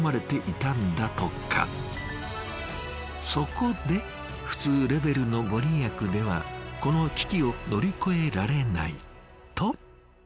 そこで普通レベルのご利益ではこの危機を乗り越えられないと全部の干支を合体。